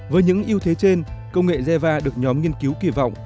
với những ưu thế trên công nghệ geva được nhóm nghiên cứu kỳ vọng